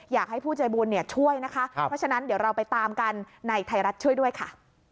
อยากให้ผู้ใจบุญช่วยนะคะเพราะฉะนั้นเดี๋ยวเราไปตามกันในไทยรัฐช่วยด้วยค่ะ